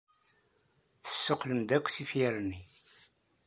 Tessuqqlem-d akk tifyar-nni.